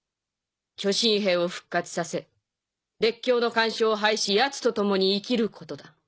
巨神兵を復活させ列強の干渉を排しヤツと共に生きることだ。